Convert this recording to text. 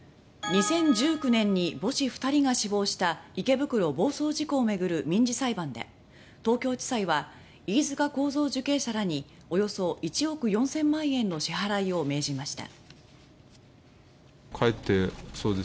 ２０１９年に母子２人が死亡した池袋暴走事故を巡る民事裁判で東京地裁は飯塚幸三受刑者らにおよそ１億４０００万円の支払いを命じました。